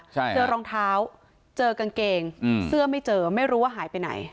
เจอรองเท้าเจอกางเกงอืมเสื้อไม่เจอไม่รู้ว่าหายไปไหน